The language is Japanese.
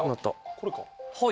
これか。